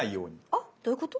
あどういうこと？